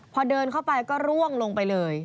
พอเดินเข้าไปก็ร่วงลงไปเลย